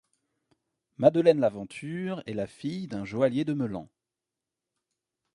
Madeleine Lavanture est la fille d'un joaillier de Meulan.